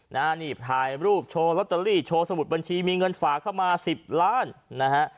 นะฮะนี่ถ่ายรูปโชว์ลอตเตอรี่โชว์สมุดบัญชีมีเงินฝากเข้ามาสิบล้านนะฮะ